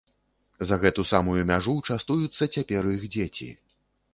За гэту самую мяжу частуюцца цяпер іх дзеці.